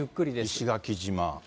石垣島。